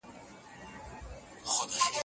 ګاونډي هېوادونه هم زعفران کري.